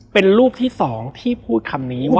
เป็นรูปที่๒ที่พูดคำนี้ว่า